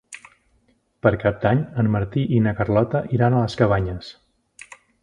Per Cap d'Any en Martí i na Carlota iran a les Cabanyes.